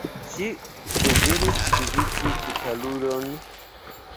Ŝi deziris viziti Italujon.